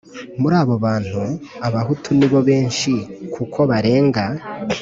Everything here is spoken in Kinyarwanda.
muri abo bantu, abahutu ni bo benshi kuko barenga